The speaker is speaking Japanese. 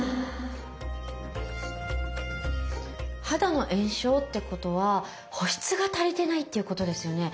肌の炎症ってことは保湿が足りてないっていうことですよね？